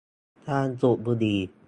การสูบบุหรี่